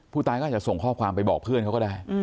ผู้ตายก็อาจจะส่งข้อความไปบอกเพื่อนเขาก็ได้